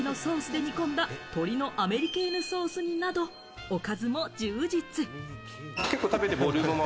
オマールエビのソースで煮込んだ鶏のアメリケーヌソース煮など、おかずも充実。